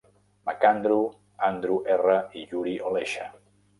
MacAndrew, Andrew R. i Yuri Olesha.